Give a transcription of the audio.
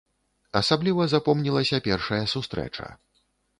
Асабліва запомнілася першая сустрэча.